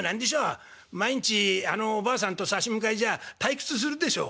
毎日あのおばあさんと差し向かいじゃ退屈するでしょ」。